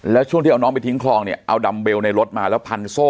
แล้วช่วงที่เอาน้องไปทิ้งคลองเนี่ยเอาดัมเบลในรถมาแล้วพันโซ่